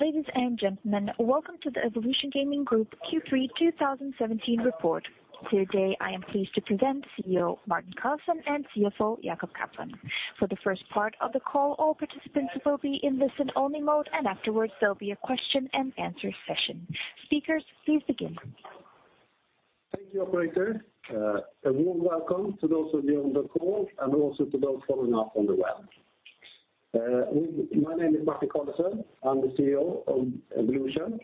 Ladies and gentlemen, welcome to the Evolution Gaming Group Q3 2017 report. Today, I am pleased to present CEO Martin Carlesund and CFO Jacob Kaplan. For the first part of the call, all participants will be in listen-only mode. Afterwards there will be a question and answer session. Speakers, please begin. Thank you, operator. A warm welcome to those of you on the call and also to those following up on the web. My name is Martin Carlesund. I'm the CEO of Evolution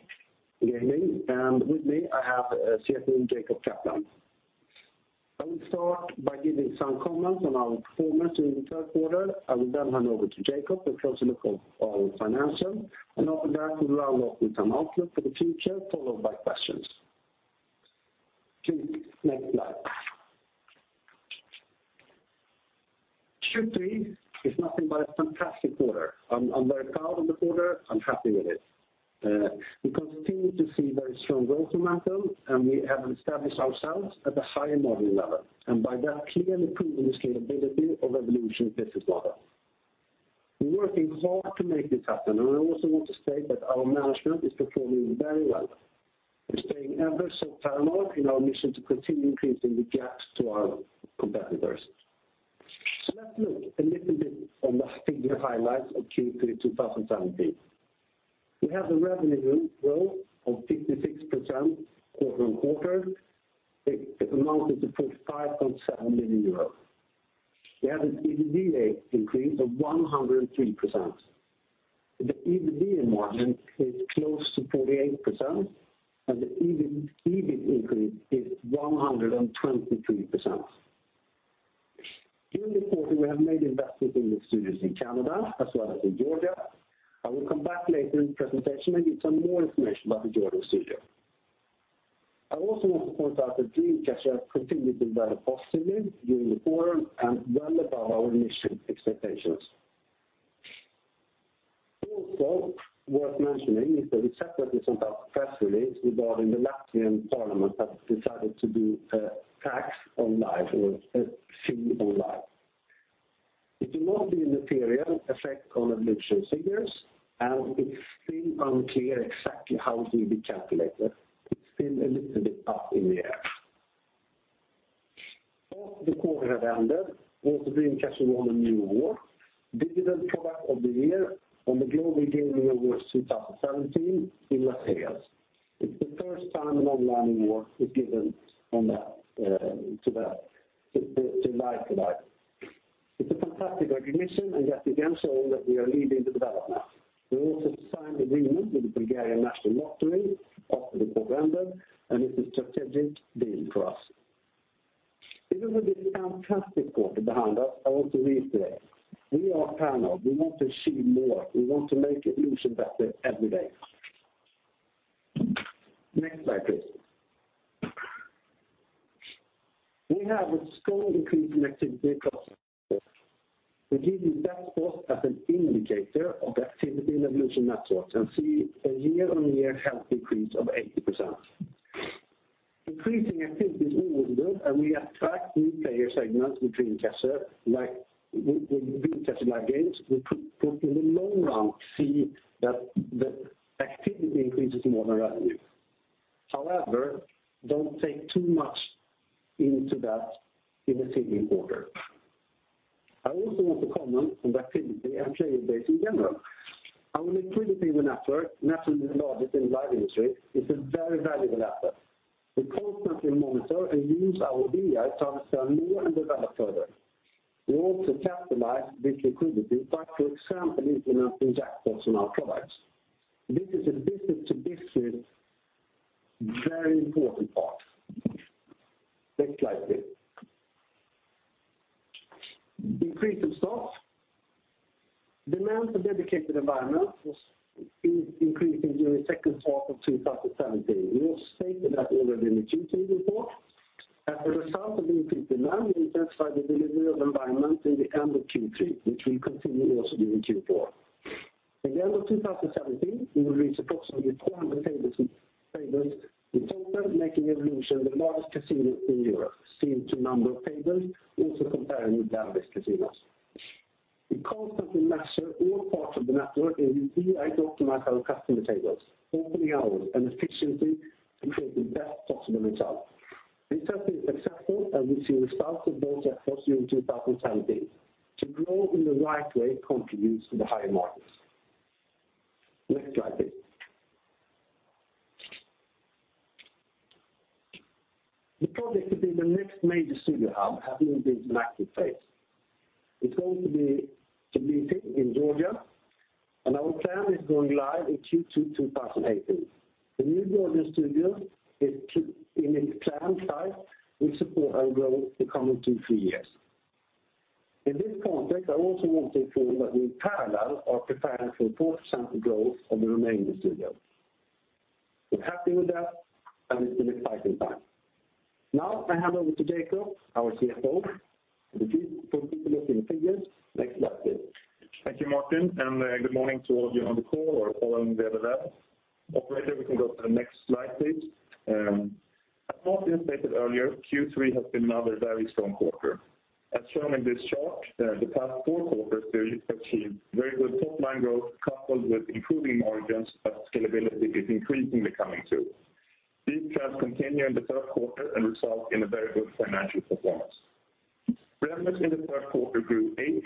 Gaming. With me, I have CFO Jacob Kaplan. I will start by giving some comments on our performance during the third quarter. I will hand over to Jacob, a closer look of our financials. After that we will round off with some outlook for the future, followed by questions. Please, next slide. Q3 is nothing but a fantastic quarter. I'm very proud of the quarter. I'm happy with it. We continue to see very strong growth momentum. We have established ourselves at the higher margin level. By that clearly proving the scalability of Evolution's business model. We're working hard to make this happen. I also want to state that our management is performing very well. We're staying ever so paranoid in our mission to continue increasing the gaps to our competitors. Let's look a little bit on the figure highlights of Q3 2017. We have the revenue growth of 56% year-on-year. It amounted to 45.7 million euros. We have an EBITDA increase of 103%. The EBITDA margin is close to 48%. The EBIT increase is 123%. During the quarter, we have made investments in the studios in Canada as well as in Georgia. I will come back later in the presentation. Give some more information about the Georgia studio. I also want to point out that Dream Catcher continued to develop positively during the quarter. Well above our initial expectations. Also worth mentioning is that we separately sent out a press release regarding the Latvian parliament have decided to do a tax on Live, or a fee on Live. It will not be a material effect on Evolution figures. It's still unclear exactly how it will be calculated. It's still a little bit up in the air. After the quarter had ended, also Dream Catcher won a new award, Digital Product of the Year on the Global Gaming Awards 2017 in Las Vegas. It's the first time an online award is given on that to Live. It's a fantastic recognition. Yet again showing that we are leading the development. We also signed agreement with the Bulgarian National Lottery after the quarter ended. It's a strategic deal for us. Even with this fantastic quarter behind us, I want to reiterate, we are paranoid. We want to achieve more. We want to make Evolution better every day. Next slide, please. We have a strong increase in activity across the network. We give you that spot as an indicator of the activity in Evolution network and see a year-on-year healthy increase of 80%. Increasing activity is all good, and we attract new player segments with Dream Catcher Live games. We could in the long run see that the activity increases more than revenue. However, don't take too much into that in a single quarter. I also want to comment on the activity and player base in general. Our liquidity in the network, naturally the largest in the Live industry, is a very valuable asset. We constantly monitor and use our BI to understand more and develop further. We also capitalize this liquidity by, for example, internal jackpots on our products. This is a business-to-business very important part. Next slide, please. Increase in slots. Demand for dedicated environments was increasing during second half of 2017. We all stated that already in the Q2 report. As a result of increased demand, we intensified the delivery of environment in the end of Q3, which we continue also during Q4. By the end of 2017, we will reach approximately 400 tables in total, making Evolution the largest casino in Europe seen to number of tables, also comparing with land-based casinos. We constantly master all parts of the network and use BI to optimize our customer tables, opening hours, and efficiency to create the best possible result. This has been successful, and we've seen the starts of those efforts during 2017. To grow in the right way contributes to the higher margins. Next slide, please. The project to build the next major studio hub has moved into an active phase. It's going to be sitting in Georgia, and our plan is going live in Q2 2018. The new Georgia studio, in its planned size, will support our growth the coming two, three years. In this context, I also want to inform that we in parallel are preparing for 40% growth of the remaining studios. We're happy with that, and it's an exciting time. Now I hand over to Jacob, our CFO, for deeper look in figures. Next slide, please. Thank you, Martin, and good morning to all of you on the call or following via the web. Operator, we can go to the next slide, please. As Martin stated earlier, Q3 has been another very strong quarter. As shown in this chart, the past four quarters, we've achieved very good top-line growth coupled with improving margins as scalability is increasingly coming through. These trends continue in the third quarter and result in a very good financial performance. Revenues in the third quarter grew 8%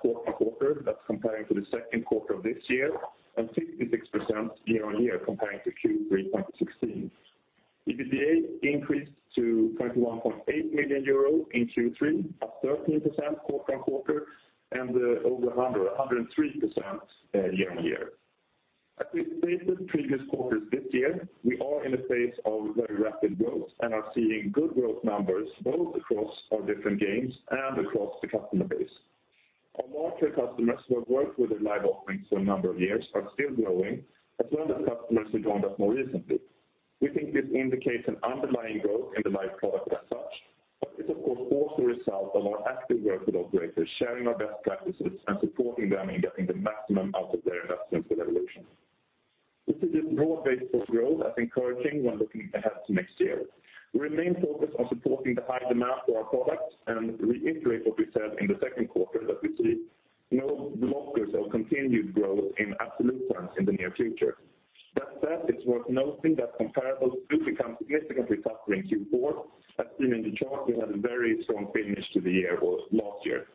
quarter-on-quarter. That's comparing to the second quarter of this year and 56% year-on-year comparing to Q3 2016. EBITDA increased to 21.8 million euros in Q3, up 13% quarter-on-quarter and over 103% year-on-year. As we stated previous quarters this year, we are in a phase of very rapid growth and are seeing good growth numbers both across our different games and across the customer base. Our larger customers who have worked with the Live offerings for a number of years are still growing, as well as customers who joined us more recently. We think this indicates an underlying growth in the Live product as such, but it's of course also a result of our active work with operators, sharing our best practices and supporting them in getting the maximum out of their investments with Evolution. We see this broad base for growth as encouraging when looking ahead to next year. We remain focused on supporting the high demand for our products and reiterate what we said in the second quarter that we see no blockers of continued growth in absolute terms in the near future. That said, it's worth noting that comparables do become significantly tougher in Q4. As seen in the chart, we had a very strong finish to the year last year.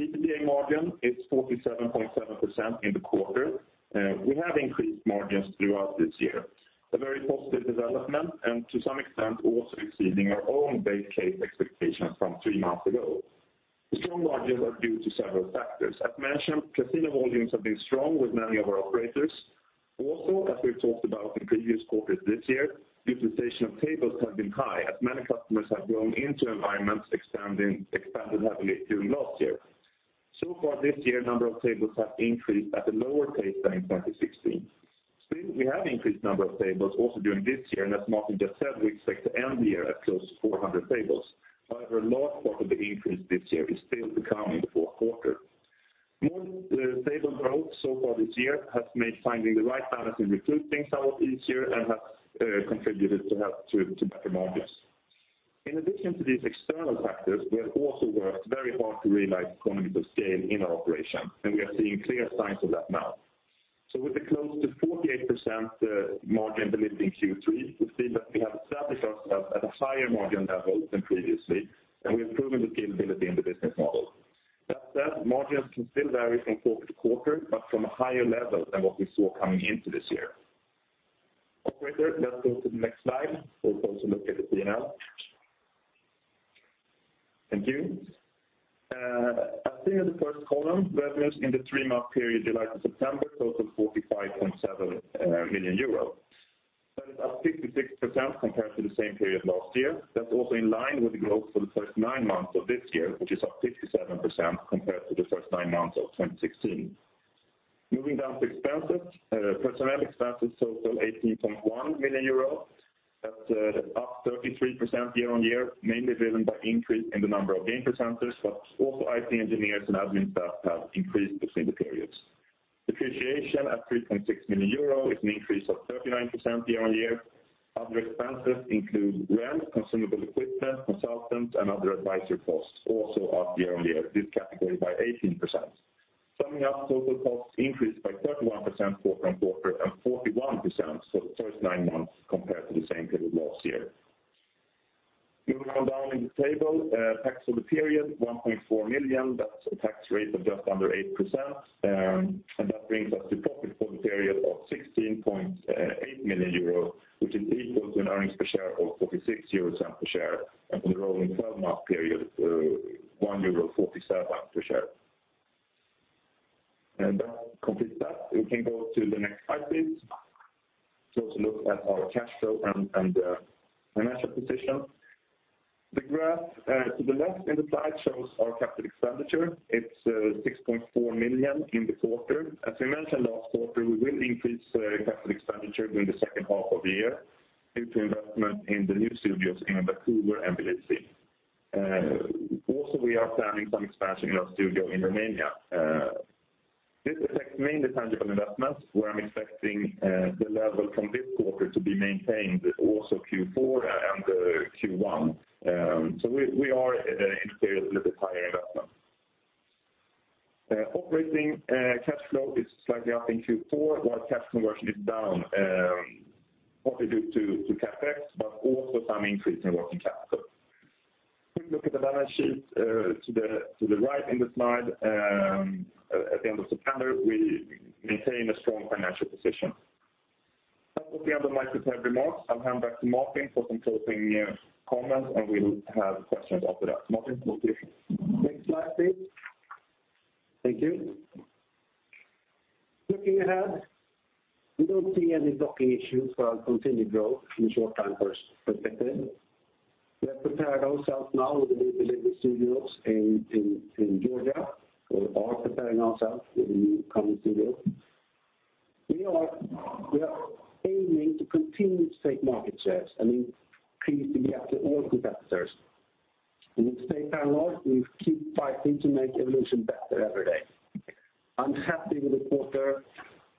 EBITDA margin is 47.7% in the quarter. We have increased margins throughout this year, a very positive development and to some extent also exceeding our own base case expectations from three months ago. The strong margins are due to several factors. As mentioned, casino volumes have been strong with many of our operators. Also, as we've talked about in previous quarters this year, utilization of tables has been high as many customers have grown into environments expanded heavily during last year. So far this year, the number of tables has increased at a lower pace than in 2016. Still, we have increased the number of tables also during this year, and as Martin just said, we expect to end the year at close to 400 tables. However, last part of the increase this year is still to come in the fourth quarter. More stable growth so far this year has made finding the right balance in recruiting staff easier and has contributed to better margins. In addition to these external factors, we have also worked very hard to realize economies of scale in our operation, and we are seeing clear signs of that now. So with the close to 48% margin delivered in Q3, we see that we have established ourselves at a higher margin level than previously, and we have proven the scalability in the business model. That said, margins can still vary from quarter to quarter, but from a higher level than what we saw coming into this year. Operator, let's go to the next slide. We'll also look at the P&L. Thank you. As seen in the first column, revenues in the three-month period July to September total 45.7 million euros. That is up 56% compared to the same period last year. That's also in line with the growth for the first nine months of this year, which is up 57% compared to the first nine months of 2016. Moving down to expenses. Personnel expenses total 18.1 million euros. That's up 33% year-on-year, mainly driven by increase in the number of game presenters, but also IT engineers and admin staff have increased between the periods. Depreciation at 3.6 million euro is an increase of 39% year-on-year. Other expenses include rent, consumable equipment, consultants, and other advisory costs, also up year-on-year, this category by 18%. Summing up total costs increased by 31% quarter-on-quarter and 41% for the first nine months compared to the same period last year. Moving on down in the table, tax for the period, 1.4 million. That's a tax rate of just under 8%, that brings us to profit for the period of 16.8 million euro, which is equal to an earnings per share of 0.46 euros per share and for the rolling 12-month period, 1.47 euro per share. That completes that. We can go to the next slide, please. To look at our cash flow and the financial position. The graph to the left in the slide shows our capital expenditure. It's 6.4 million in the quarter. As we mentioned last quarter, we will increase capital expenditure during the second half of the year due to investment in the new studios in Vancouver and Tbilisi. Also, we are planning some expansion in our studio in Romania. This affects mainly tangible investments, where I'm expecting the level from this quarter to be maintained also Q4 and Q1. We are in a period of a little higher investment. Operating cash flow is slightly up in Q4, while cash conversion is down, partly due to CapEx, also some increase in working capital. If we look at the balance sheet to the right in the slide, at the end of September, we maintain a strong financial position. That was the end of my prepared remarks. I'll hand back to Martin for some closing comments, we'll have questions after that. Martin, over to you. Next slide, please. Thank you. Looking ahead, we don't see any blocking issues for our continued growth in the short-time perspective. We have prepared ourselves now with the new delivery studios in Georgia. We are preparing ourselves with the new coming studio. We are aiming to continue to take market shares and increase the gap to all competitors. We will stay paranoid. We keep fighting to make Evolution better every day. I'm happy with the quarter,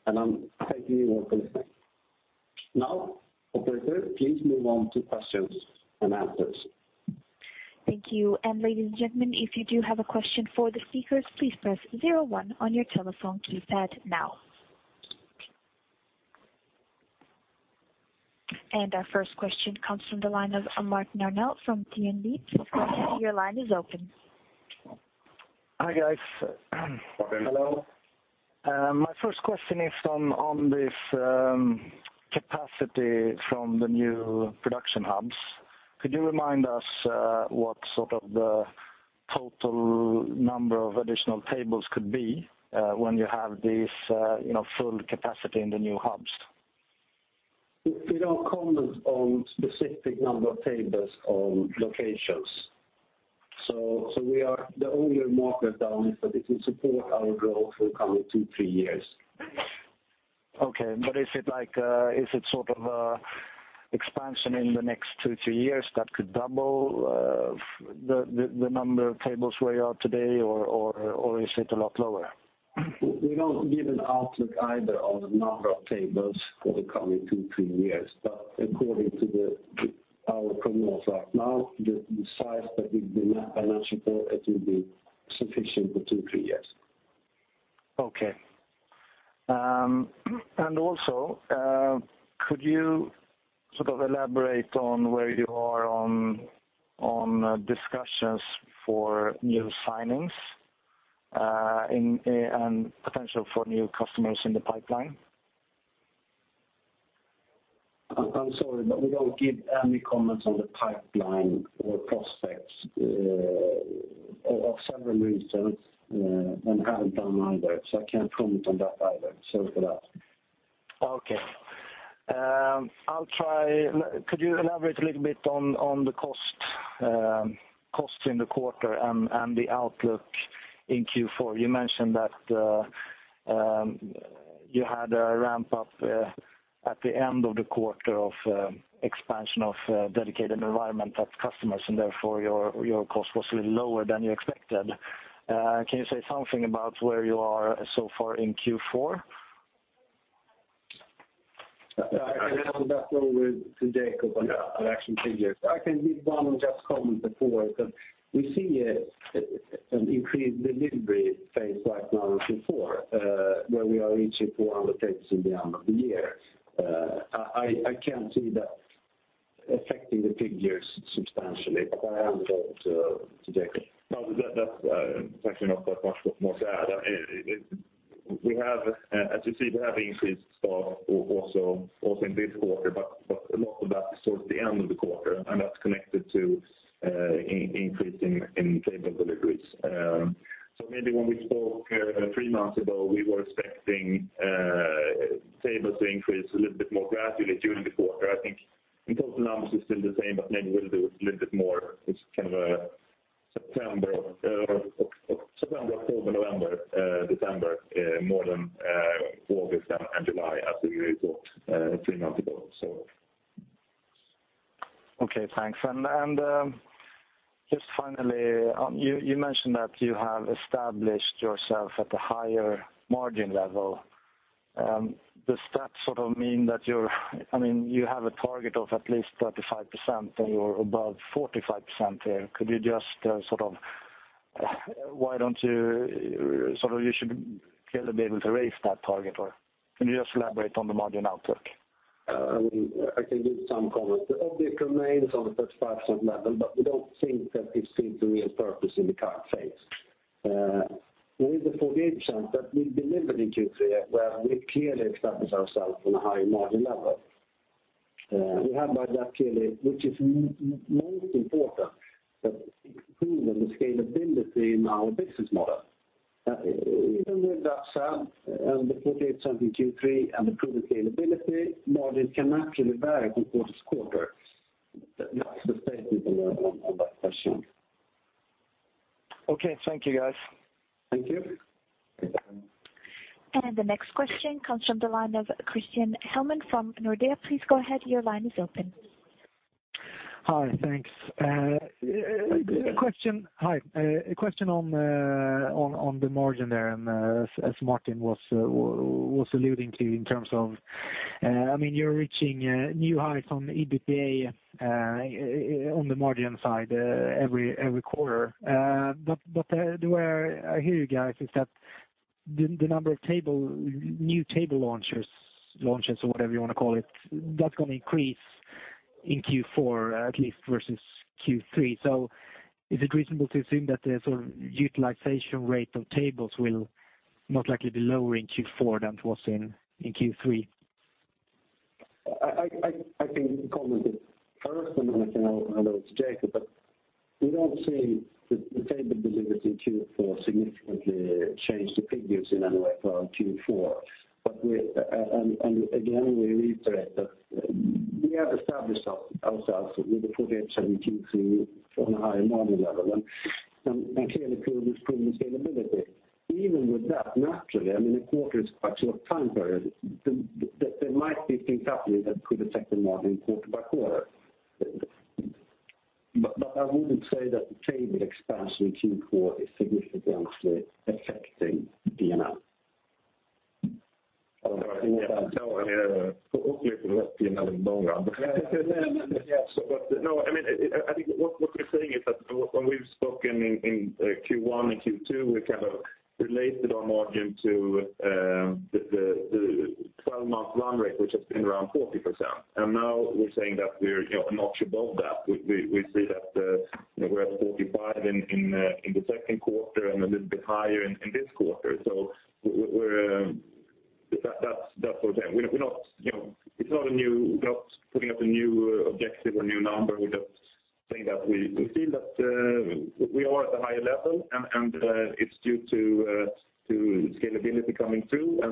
I thank you all for listening. Operator, please move on to questions and answers. Thank you. Ladies and gentlemen, if you do have a question for the speakers, please press 01 on your telephone keypad now. Our first question comes from the line of Martin Arnell from DNB. Please go ahead. Your line is open. Hi, guys. Martin, hello. My first question is on this capacity from the new production hubs. Could you remind us what the total number of additional tables could be when you have this full capacity in the new hubs? We don't comment on specific number of tables on locations. We are the only market that will support our growth for the coming two, three years. Okay. Is it expansion in the next two, three years that could double the number of tables where you are today? Or is it a lot lower? We don't give an outlook either on the number of tables for the coming two, three years. According to our promos right now, the size that we've been managing for it will be sufficient for two, three years. Okay. Also, could you elaborate on where you are on discussions for new signings, and potential for new customers in the pipeline? I'm sorry, but we don't give any comments on the pipeline or prospects of several reasons, and haven't done either, so I can't comment on that either. Sorry for that. Okay. Could you elaborate a little bit on the cost in the quarter and the outlook in Q4? You mentioned that you had a ramp-up at the end of the quarter of expansion of dedicated environment of customers, and therefore your cost was a little lower than you expected. Can you say something about where you are so far in Q4? I hand that over to Jacob on actual figures. I can give one just comment before. We see an increased delivery phase right now in Q4, where we are reaching 400 tables in the end of the year. I can't see that affecting the figures substantially. I hand it over to Jacob. That's actually not that much more to add. As you see, we have increased staff also in this quarter, but a lot of that is towards the end of the quarter. That's connected to increase in table deliveries. Maybe when we spoke three months ago, we were expecting tables to increase a little bit more gradually during the quarter. I think in total numbers it's still the same. Maybe we'll do a little bit more. It's September, October, November, December, more than August and July as we talked three months ago. Okay, thanks. Just finally, you mentioned that you have established yourself at the higher margin level. Does that mean that you have a target of at least 35%, and you're above 45% here. You should clearly be able to raise that target, or can you just elaborate on the margin outlook? I can give some comment. The object remains on the 35% level, we don't think that it sees a real purpose in the current phase. With the 48% that we've delivered in Q3, where we've clearly established ourselves on a higher margin level. We have by that clearly, which is most important, that it's proven the scalability in our business model. Even with that said, the 48% in Q3, and the proven scalability, margin can actually vary from quarter-to-quarter. That's the statement on that question. Okay, thank you, guys. Thank you. Thank you. The next question comes from the line of Christian Hellman from Nordea. Please go ahead. Your line is open. Hi, thanks. Thank you. Hi. A question on the margin there, as Martin was alluding to in terms of, you're reaching new highs on the EBITDA on the margin side every quarter. Where I hear you guys is that the number of new table launches, or whatever you want to call it, that's going to increase in Q4 at least versus Q3. Is it reasonable to assume that the utilization rate of tables will most likely be lower in Q4 than it was in Q3? I can comment first, then I can hand over to Jacob, but we don't see the table delivery in Q4 significantly change the figures in any way for our Q4. Again, we reiterate that we have established ourselves with the 48% in Q3 on a higher margin level and clearly proving scalability. Even with that, naturally, a quarter is quite a short time period. There might be things happening that could affect the margin quarter by quarter. I wouldn't say that the table expansion in Q4 is significantly affecting P&L. No, hopefully it will help P&L in the long run. Yes, I think what we're saying is that when we've spoken in Q1 and Q2, we kind of related our margin to the 12-month run rate, which has been around 40%. Now we're saying that we're a notch above that. We see that we're at 45% in the second quarter and a little bit higher in this quarter. That's okay. We're not putting up a new objective or new number. We just think that we see that we are at a higher level, and it's due to scalability coming through and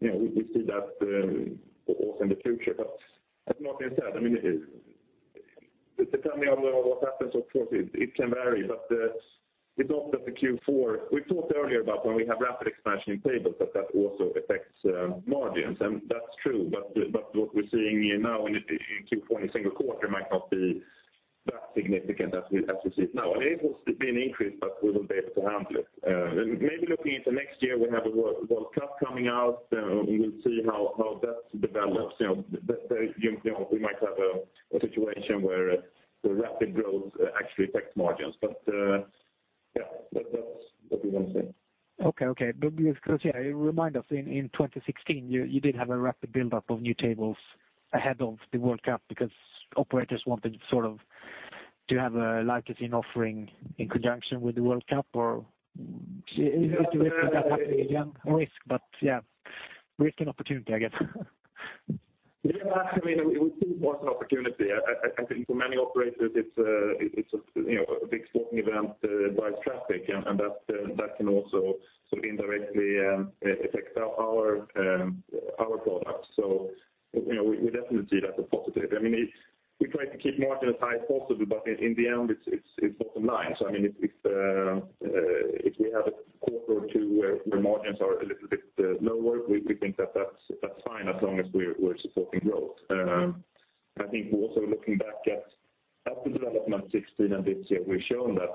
we see that also in the future. Martin said, depending on what happens, of course it can vary, but we thought that We talked earlier about when we have rapid expansion in tables, that that also affects margins, and that's true. What we're seeing now in Q4, in a single quarter, might not be that significant as we see it now. It will be an increase, but we will be able to handle it. Maybe looking into next year, we have a World Cup coming out. We will see how that develops. We might have a situation where the rapid growth actually affects margins. Yeah, that's what we want to say. Okay. Yeah, remind us, in 2016, you did have a rapid buildup of new tables ahead of the World Cup because operators wanted to have a licensing offering in conjunction with the World Cup, or is it a risk that that happens again? A risk, but yeah. Risk and opportunity, I guess. Actually, we think more it's an opportunity. I think for many operators, a big sporting event drives traffic, and that can also sort of indirectly affect our products. We definitely see that as a positive. We try to keep margin as high as possible, but in the end, it's bottom line. If we have a quarter or two where margins are a little bit lower, we think that that's fine as long as we're supporting growth. I think we're also looking back at the development 2016 and this year, we've shown that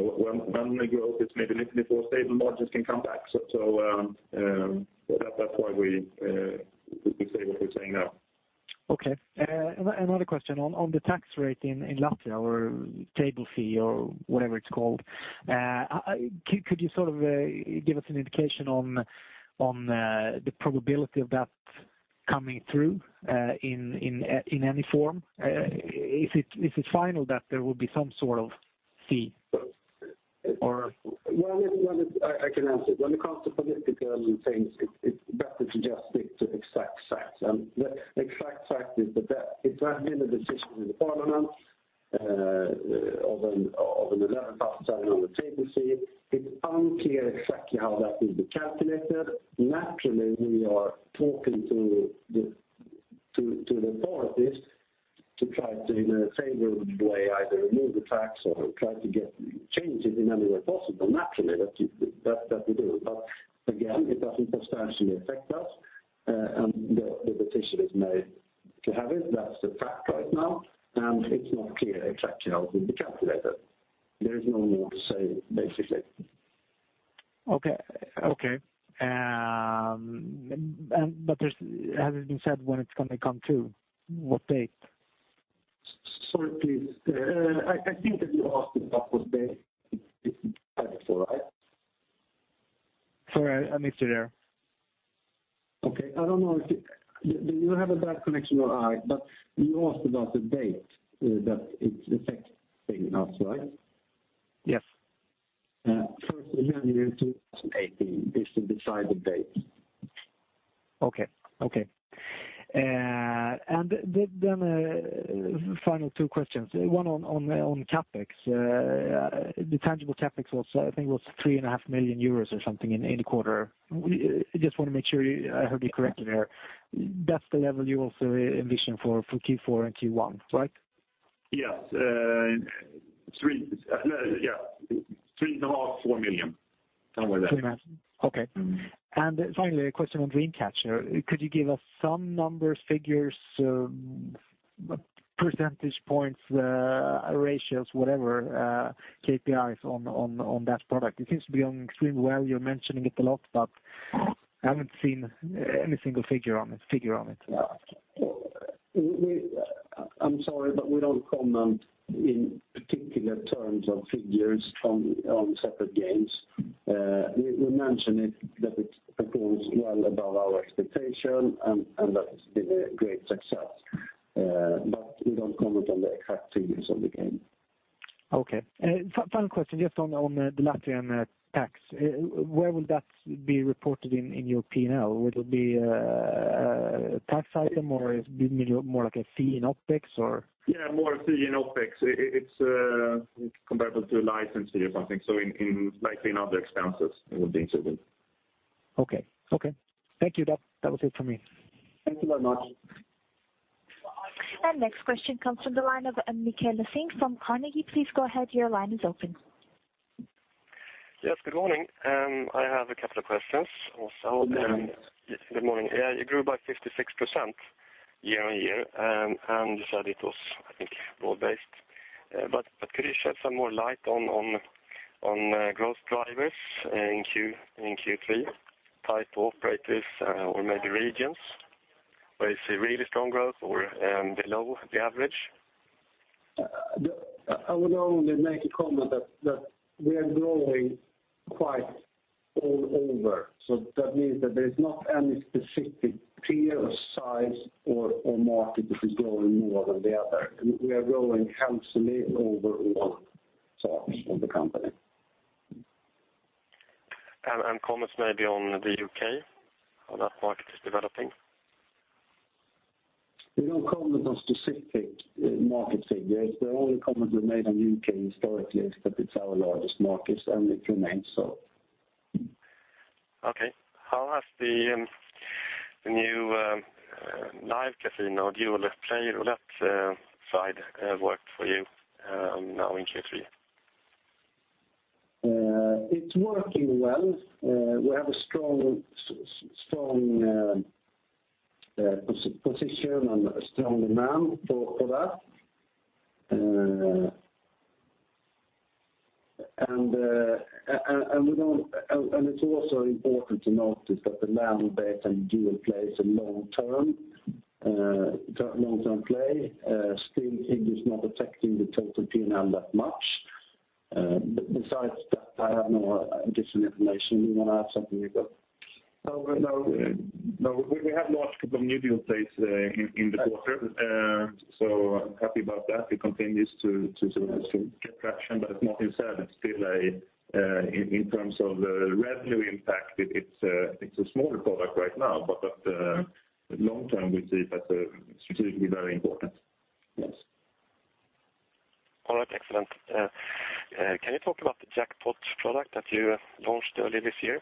when the growth is maybe a little bit more stable, margins can come back. That's why we say what we're saying now. Okay. Another question on the tax rate in Latvia, or table fee, or whatever it's called. Could you give us an indication on the probability of that coming through in any form? Is it final that there will be some sort of fee, or? Well, I can answer it. When it comes to political things, it's better to just stick to exact facts. The exact fact is that there has been a decision in the parliament of an 11% on the table fee. It's unclear exactly how that will be calculated. Naturally, we are talking to the authorities to try to, in a favorable way, either remove the tax or try to get changes in any way possible. Naturally, that we do. Again, it doesn't substantially affect us. The decision is made to have it. That's the fact right now, and it's not clear exactly how it will be calculated. There is no more to say, basically. Okay. Has it been said when it's going to come to? What date? Sorry, please. I think that you asked about what date it's effective, right? Sorry, I missed you there. Okay. I don't know if you have a bad connection or I, but you asked about the date that it's affecting us, right? Yes. 1st of January 2018 they still decide the date. Okay. Final two questions. One on CapEx. The tangible CapEx was, I think it was three and a half million EUR or something in a quarter. I just want to make sure I heard you correctly there. That's the level you also envision for Q4 and Q1, right? Yes. Three and a half million EUR, four million EUR. Somewhere there. Three and a half. Okay. Finally, a question on Dream Catcher. Could you give us some numbers, figures, percentage points, ratios, whatever, KPIs on that product? It seems to be going extremely well. You're mentioning it a lot, but I haven't seen any single figure on it. I'm sorry, but we don't comment in particular terms or figures on separate games. We mention it, that it goes well above our expectation and that it's been a great success. We don't comment on the exact figures of the game. Okay. Final question, just on the Latvian tax. Where will that be reported in your P&L? Will it be a tax item, or more like a fee in OPEX, or? Yeah, more a fee in OPEX. It's comparable to a license fee or something. Likely in other expenses it would be inserted. Okay. Thank you. That was it for me. Thank you very much. Next question comes from the line of Mikael Laséen from Carnegie. Please go ahead, your line is open. Yes, good morning. I have a couple of questions also. Good morning. Good morning. You grew by 56% year-on-year, and you said it was, I think, broad-based. Could you shed some more light on growth drivers in Q3, type of operators or maybe regions? Was it really strong growth or below the average? I would only make a comment that we are growing quite all over. That means that there's not any specific tier, size, or market which is growing more than the other. We are growing healthily over all parts of the company. Comments maybe on the U.K., how that market is developing? We don't comment on specific market figures. The only comment we made on U.K. historically is that it's our largest market, and it remains so. Okay. How has the new Live Casino Dual Play Roulette side worked for you now in Q3? It's working well. We have a strong position and a strong demand for that. It's also important to notice that the land-based and Dual Play is a long-term play. Still, it is not affecting the total P&L that much. Besides that, I have no additional information. You want to add something, Viggo? No. We have launched a couple of new Dual Plays in the quarter, so I'm happy about that. We continue to get traction. As Martin said, in terms of revenue impact, it's a smaller product right now. Long term, we see that strategically very important. Yes. All right. Excellent. Can you talk about the jackpot product that you launched early this year?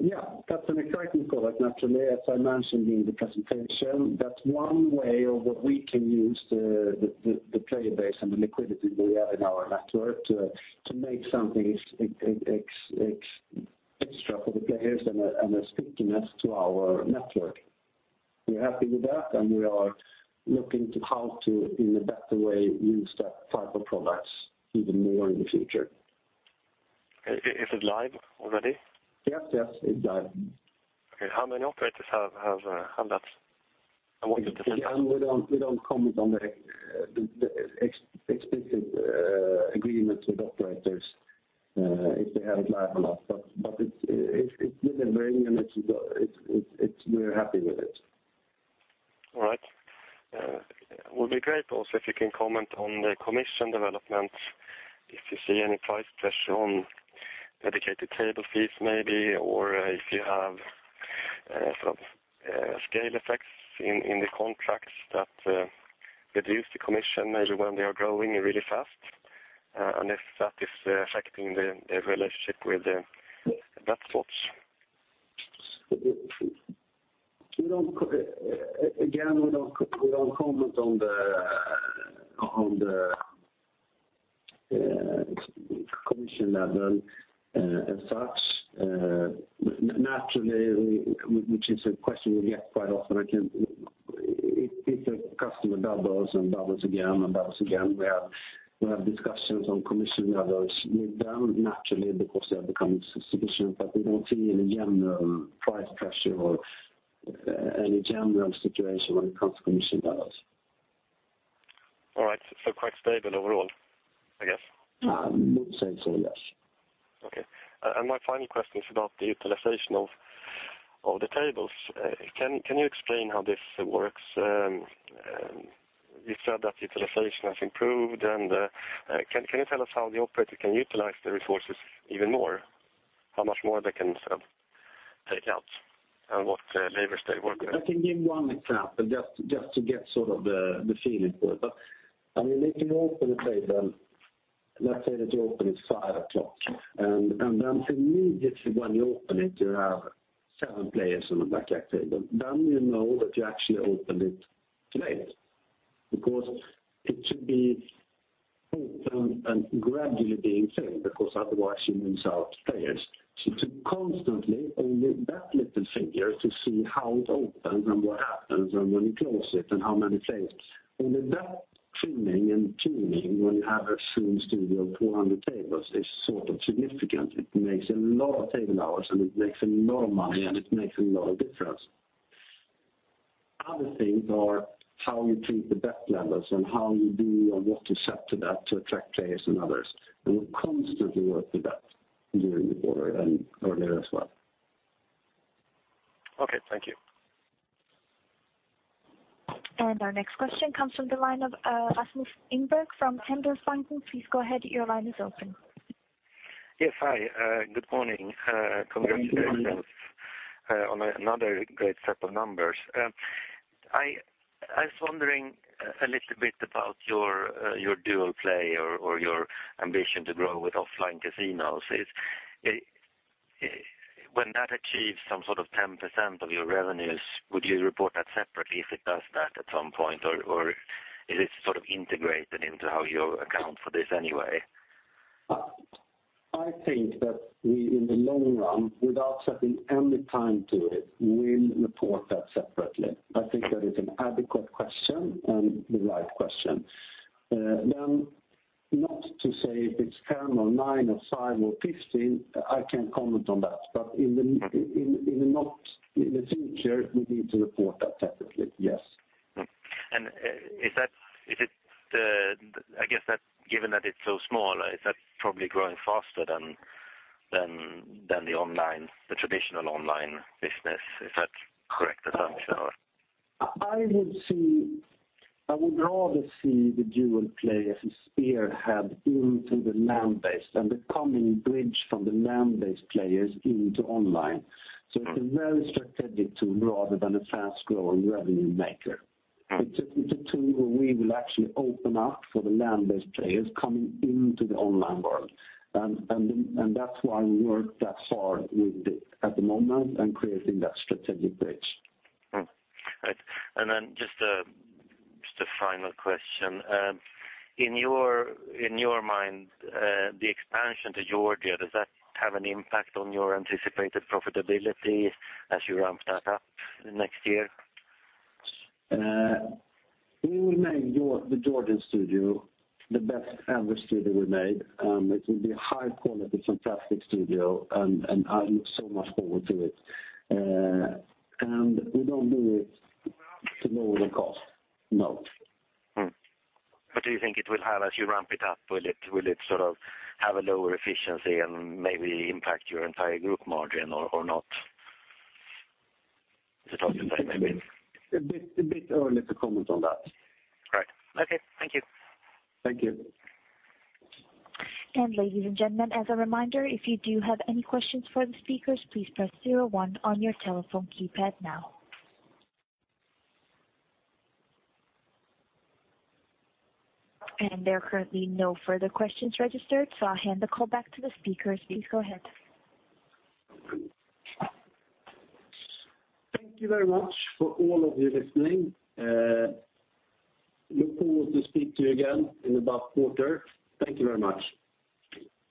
Yeah. That's an exciting product, naturally. As I mentioned in the presentation, that's one way of what we can use the player base and the liquidity we have in our network to make something extra for the players and a stickiness to our network. We're happy with that. We are looking to how to, in a better way, use that type of products even more in the future. Is it live already? Yes, it's Live. Okay. How many operators have that? We don't comment on the explicit agreement with operators, if they have it Live or not. It's delivering, and we're happy with it. All right. Would be great also if you can comment on the commission development, if you see any price pressure on dedicated table fees maybe, or if you have scale effects in the contracts that reduce the commission maybe when they are growing really fast, and if that is affecting the relationship with the sportsbooks. We don't comment on the commission level as such. Naturally, which is a question we get quite often, if a customer doubles and doubles again and doubles again, we have discussions on commission levels with them naturally because they have become sufficient, but we don't see any general price pressure or any general situation when it comes to commission levels. All right. Quite stable overall, I guess. I would say so, yes. Okay. My final question is about the utilization of the tables. Can you explain how this works? You said that utilization has improved, and can you tell us how the operator can utilize the resources even more? How much more they can take out, and what levers they work with? I can give one example just to get the feeling for it. If you open a table, let's say that you open it at 5:00 P.M., then immediately when you open it, you have seven players on the blackjack table. You know that you actually opened it late, because it should be open and gradually being filled, because otherwise you lose out players. To constantly, on that little figure, to see how it opens and what happens, and when you close it and how many plays. That trimming and tuning when you have a studio of 400 tables is significant. It makes a lot of table hours, it makes a lot of money, and it makes a lot of difference. Other things are how you treat the bet levels and how you do or what you set to that to attract players and others. We constantly work with that during the quarter and earlier as well. Okay, thank you. Our next question comes from the line of Rasmus Engberg from Handelsbanken. Please go ahead, your line is open. Yes, hi. Good morning. Good morning. Congratulations on another great set of numbers. When that achieves some sort of 10% of your revenues, would you report that separately if it does that at some point, or is it sort of integrated into how you account for this anyway? I think that we, in the long run, without setting any time to it, will report that separately. I think that is an adequate question and the right question. Not to say if it's 10% or 9% or 5% or 15%, I can't comment on that. In the future, we need to report that separately, yes. I guess that given that it's so small, is that probably growing faster than the traditional online business? Is that correct assumption? I would rather see the Dual Play as a spearhead into the land-based and the coming bridge from the land-based players into online. It's a very strategic tool rather than a fast-growing revenue maker. It's a tool where we will actually open up for the land-based players coming into the online world. That's why we work that hard with it at the moment and creating that strategic bridge. Right. Just a final question. In your mind, the expansion to Georgia, does that have any impact on your anticipated profitability as you ramp that up next year? We will make the Georgian studio the best ever studio we made. It will be a high-quality, fantastic studio, and I look so much forward to it. We don't do it to lower the cost, no. Do you think it will have as you ramp it up, will it sort of have a lower efficiency and maybe impact your entire group margin or not? Is it hard to say, maybe? A bit early to comment on that. Right. Okay. Thank you. Thank you. ladies and gentlemen, as a reminder, if you do have any questions for the speakers, please press 01 on your telephone keypad now. There are currently no further questions registered, so I'll hand the call back to the speakers. Please go ahead. Thank you very much for all of you listening. Look forward to speak to you again in the fourth quarter. Thank you very much.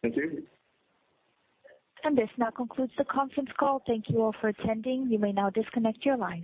Thank you. This now concludes the conference call. Thank you all for attending. You may now disconnect your lines.